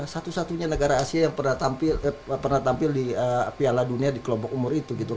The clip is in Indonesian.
satu satunya negara asia yang pernah tampil di piala dunia di kelompok umur itu